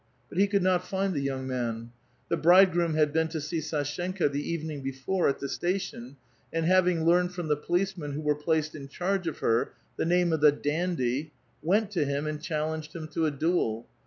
But he could not find the young man. The bride groom had been to see Sdshenka the evening before at the station, and having learned from the policemen who were placed in charge of her the name of the dandy {frant), went to him, and challenged him to a duel.